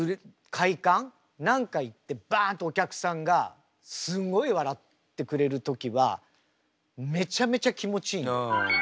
何か言ってバンとお客さんがすんごい笑ってくれる時はめちゃめちゃ気持ちいい。